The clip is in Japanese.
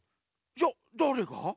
じゃだれが？